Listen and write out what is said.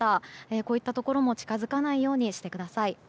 こういったところも近づかないようにしてください。